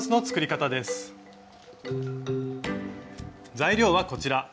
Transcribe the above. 材料はこちら。